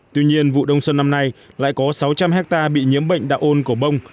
tuy nhiên vụ đông xuân năm nay lại có sáu trăm linh hectare bị nhiễm bệnh đạo ôn cổ bông